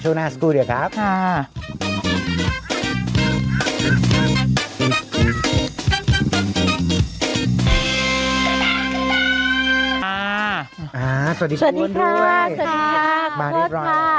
ตอนนี้รถติดมากใช่ไหมคะใช่ค่ะใช่ผมอีก